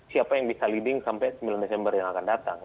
siapa yang bisa leading sampai sembilan desember yang akan datang